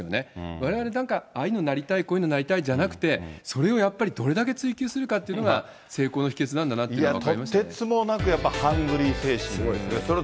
われわれ、なんか、ああいうのになりたい、こういうのなりたいじゃなくて、それをやっぱり、どれだけ追求するかっていうのが成功の秘けつなんだなと思いましあっ！